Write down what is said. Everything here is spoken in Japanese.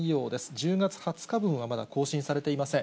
１０月２０日分は、まだ更新されていません。